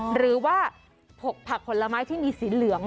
หรือว่า๖ผักผลไม้ที่มีสีเหลือง